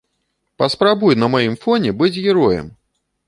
Паспрабуй на маім фоне быць героем!